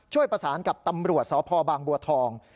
ช่วยประสานกับตำรวจสพบางบัวทอง